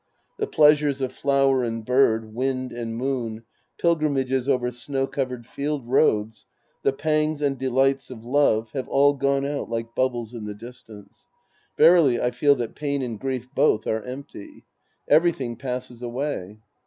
The pleasures of flower and bird, wind and moon, pilgrimages over snow covered field roads, the pangs and delights of love, have all gone out like bubbles in the distance. Verily I feel that " pain and grief both are empty." Everything passes away.